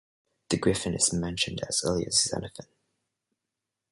The griffon is mentioned as early as Xenophon.